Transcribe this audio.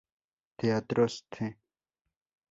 Teatro St.